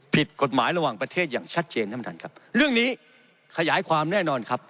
ผิดกฎหมายระหว่างประเทศอย่างชัดเจนท่านประธานครับเรื่องนี้ขยายความแน่นอนครับ